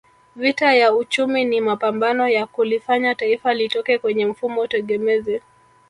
Vita ya uchumi ni mapambano ya kulifanya Taifa litoke kwenye mfumo tegemezi